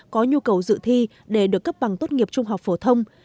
có nhu cầu dự thi để được cấp bằng tốt nghiệp trung học phổ thông